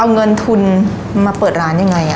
เอาเงินทุนมาเปิดร้านยังไง